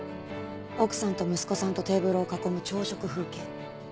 奥さんと息子さんとテーブルを囲む朝食風景。